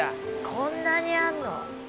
こんなにあんの？